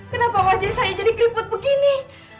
kenapa wajah saya jadi keriput begini